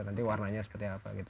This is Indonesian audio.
nanti warnanya seperti apa gitu